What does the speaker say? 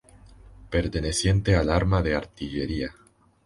Perteneciente al Arma de Artillería.